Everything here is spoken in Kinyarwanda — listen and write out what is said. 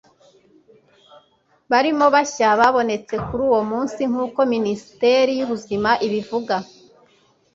barimo bashya babonetse kuri uwo munsi, nkuko minisiteri y'ubuzima ibivuga